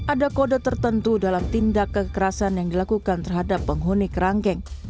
ada kode tertentu dalam tindak kekerasan yang dilakukan terhadap penghuni kerangkeng